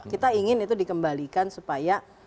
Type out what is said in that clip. kita ingin itu dikembalikan supaya